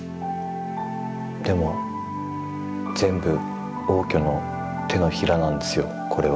でも全部応挙の手のひらなんですよこれは。